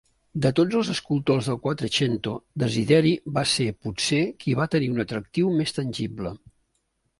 De tots els escultors del Quattrocento, Desideri va ser, potser, qui va tenir un atractiu més tangible.